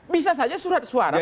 bisa saja surat suara